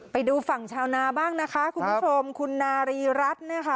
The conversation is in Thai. ไปดูฝั่งชาวนาบ้างนะคะคุณผู้ชมคุณนารีรัฐเนี่ยค่ะ